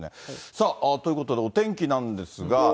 さあ、ということでお天気なんですが。